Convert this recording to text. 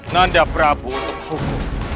nanda prabu untuk hukum